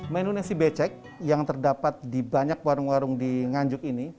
menu nasi becek yang terdapat di banyak warung warung di nganjuk ini